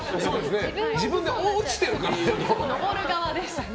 自分で落ちてるからね。